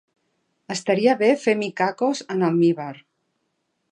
Estaria bé fer micacos en almívar